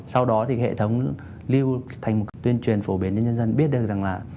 sau đó thì hệ thống lưu thành một tuyên truyền phổ biến cho nhân dân biết được rằng là